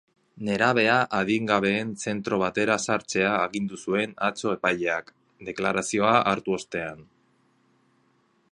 Nerabea adingabeen zentro batera sartzea agindu zuen atzo epaileak, deklarazioa hartu ostean.